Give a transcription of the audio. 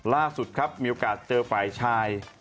ล่าสุดครับมีโอกาสเจอฝ่ายชาย